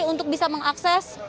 untuk bisa mengakses